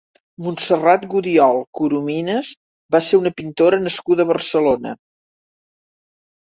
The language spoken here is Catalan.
Montserrat Gudiol Corominas va ser una pintora nascuda a Barcelona.